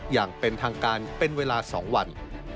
อย่างเป็นทางการเป็นเวลา๒วัน